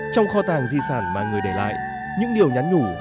trong kho tàng di sản mà người để lại những điều nhắn nhủ